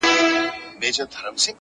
نو خود به اوس ورځي په وينو رنگه ككــرۍ,